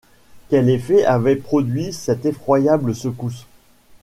Quel effet avait produit cette effroyable secousse ?